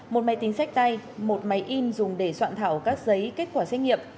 một máy tính sách tay một máy in dùng để soạn thảo các giấy kết quả xét nghiệm